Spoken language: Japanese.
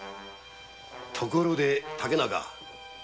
ところで竹中。